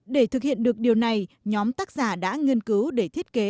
để thực hiện được điều này nhóm tác giả đã nghiên cứu để thiết kế